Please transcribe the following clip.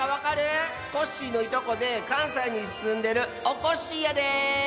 コッシーのいとこでかんさいにすんでるおこっしぃやで。